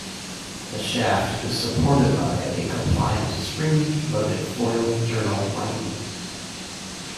A shaft is supported by a compliant, spring-loaded foil journal lining.